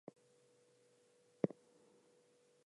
There are evil supernatural beings who do him harm.